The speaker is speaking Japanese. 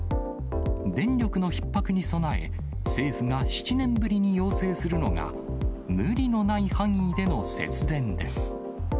電力のひっ迫に備え、政府が７年ぶりに要請するのが、無理のない範囲での節電です。